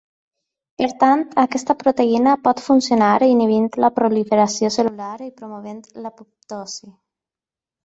Per tant, aquesta proteïna pot funcionar inhibint la proliferació cel·lular i promovent l’apoptosi.